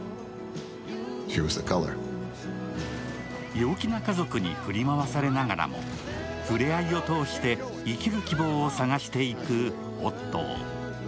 陽気な家族に振り回されながらも、ふれあいを通して生きる希望を探していくオットー。